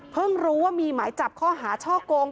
รู้ว่ามีหมายจับข้อหาช่อกง